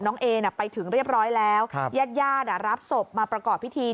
น้องเอน่ะไปถึงเรียบร้อยแล้วแยกญาติรับศพมาประกอบพิธี